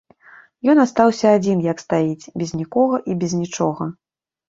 Ён астаўся адзін як стаіць, без нікога і без нічога.